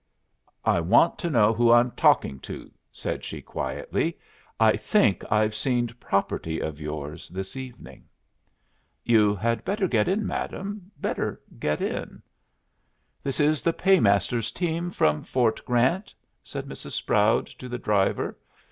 "I want to know who I'm talking to," said she, quietly. "I think I've seen property of yours this evening." "You had better get in, madam; better get in." "This is the Paymaster's team from Fort Grant?" said Mrs. Sproud to the driver.